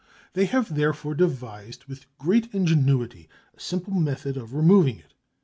They have therefore devised with great ingenuity a simple method of removing it.